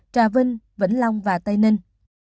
trà vinh vĩnh long và tây ninh